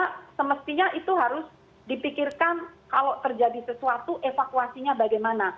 karena semestinya itu harus dipikirkan kalau terjadi sesuatu evakuasinya bagaimana